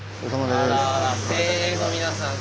あらあら精鋭の皆さん。